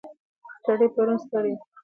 سړی پرون ستړی و.